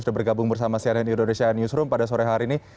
sudah bergabung bersama cnn indonesia newsroom pada sore hari ini